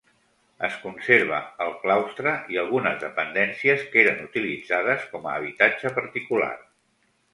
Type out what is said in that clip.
Es conserva el claustre i algunes dependències que eren utilitzades com a habitatge particular.